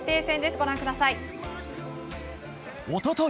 ご覧ください。